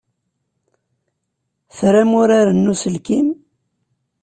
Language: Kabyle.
Tram uraren n uselkim?